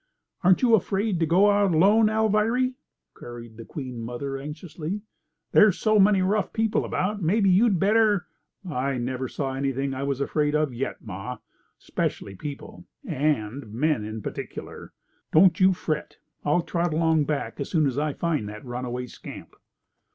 "Ain't you afraid to go out alone, Alviry?" queried the Queen mother anxiously. "There's so many rough people about. Mebbe you'd better—" "I never saw anything I was afraid of yet, ma. 'Specially people. And men in particular. Don't you fret. I'll trot along back as soon as I find that runaway scamp."